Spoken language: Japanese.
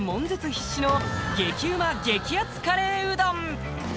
必至の激うま激アツカレーうどん！